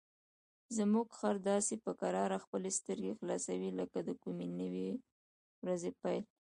زموږ خر داسې په کراره خپلې سترګې خلاصوي لکه د کومې نوې ورځې پیل.